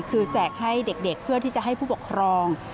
คือแจกให้เด็กเพื่อที่จะให้ผู้ปกครอง